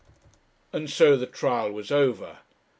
And so the trial was over.